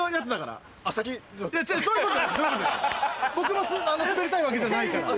僕も滑りたいわけじゃないから。